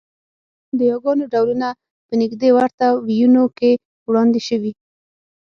د یاګانو ډولونه په نږدې ورته وییونو کې وړاندې شوي